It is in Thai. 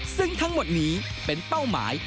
ซึ่งทั้งหมดนี้เป็นเป้าหมาย